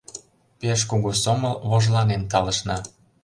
Пеш кугу сомыл вожланен талышна.